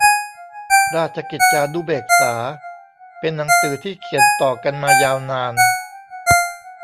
ราชกิจจานุเบกษา เป็นหนังสือที่เขียนต่อกันมายาวนาน